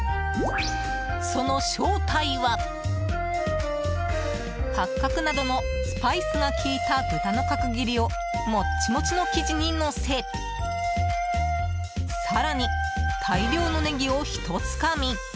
その正体は、八角などのスパイスが効いた豚の角切りをもっちもちの生地にのせ更に大量のネギをひとつかみ。